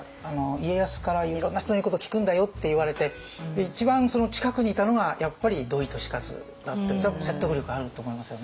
家康から「いろんな人の言うことを聞くんだよ」って言われて一番その近くにいたのがやっぱり土井利勝だっていうのはそれは説得力あると思いますよね。